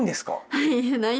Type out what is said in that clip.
はい。